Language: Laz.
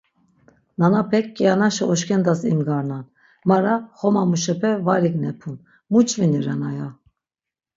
Nanapek kianaşi oşkendas imgarnan, mara xoma muşepe var ignebun, mu ç̌vini ren aya.